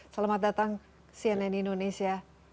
selamat datang cnn indonesia